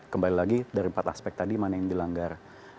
kembali lagi dari empat aspek tadi mana yang dilanggar